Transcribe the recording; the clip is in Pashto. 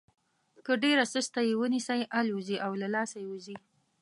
که ډېره سسته یې ونیسئ الوزي او له لاسه وځي.